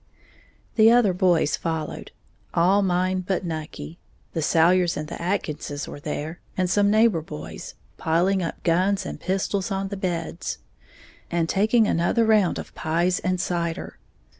The other boys followed; all mine but Nucky, the Salyers and the Atkinses were there, and some neighbor boys piling up guns and pistols on the beds, and taking another round of pies and cider.